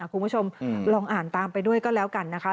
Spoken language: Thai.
คุณผู้ชมลองอ่านตามไปด้วยก็แล้วกันนะคะ